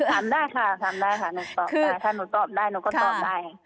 ถามได้ค่ะถ้าหนูตอบได้หนูก็ตอบได้